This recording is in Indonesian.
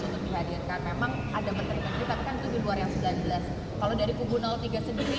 untuk dihadirkan memang ada menteri menteri tapi kan itu di luar yang sembilan belas kalau dari kubu tiga sendiri